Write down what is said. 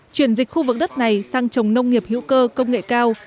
chuyển dịch khu vực đất này sang trồng nông nghiệp hữu cơ công nghệ cao